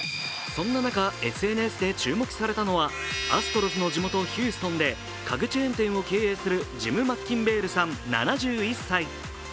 そんな中、ＳＮＳで注目されたのは、アストロズの地元ヒューストンで家具チェーン店を経営するジム・マッキンベールさん７１歳。